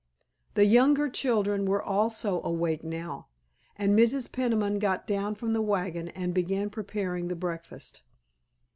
The younger children were also awake now, and Mrs. Peniman got down from the wagon and began preparing the breakfast.